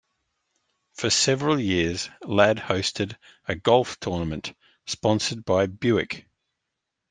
For several years, Ladd hosted a golf tournament sponsored by Buick.